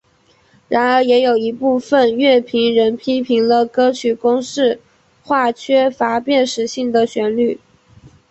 然而也有一部分乐评人批评了歌曲公式化缺乏辨识性的旋律。